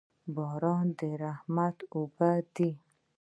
باران د رحمت اوبه دي